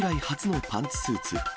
初のパンツスーツ。